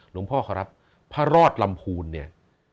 พ่อเขารับพระรอดลำพูนเนี่ย